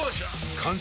完成！